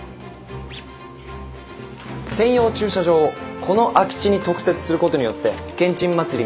専用駐車場をこの空き地に特設することによってけんちん祭り